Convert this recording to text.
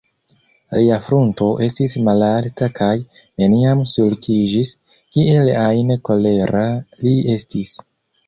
Lia frunto estis malalta kaj neniam sulkiĝis, kiel ajn kolera li estis.